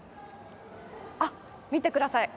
あっ見てください。